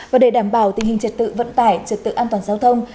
và để đảm bảo tình hình trật tự vận tải trật tự an toàn giao thông